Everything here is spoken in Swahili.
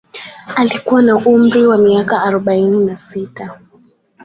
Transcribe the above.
Alikuwa na umri wa miaka arobaini na sita